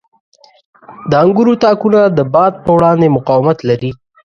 • د انګورو تاکونه د باد په وړاندې مقاومت لري.